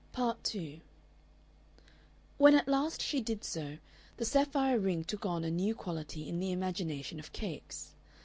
Part 2 When at last she did so, the sapphire ring took on a new quality in the imagination of Capes.